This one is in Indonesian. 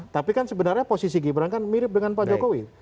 tapi kan sebenarnya posisi gibran kan mirip dengan pak jokowi